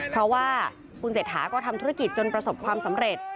เพราะว่าคุณเศรษฐาก็ทำธุรกิจจนประสบความสำเร็จ